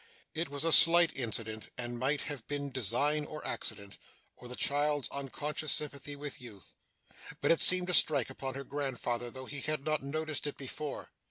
It was a slight incident, and might have been design or accident, or the child's unconscious sympathy with youth. But it seemed to strike upon her grandfather, though he had not noticed it before.